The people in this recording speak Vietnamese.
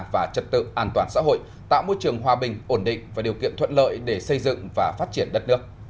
và trật tự an toàn xã hội tạo môi trường hòa bình ổn định và điều kiện thuận lợi để xây dựng và phát triển đất nước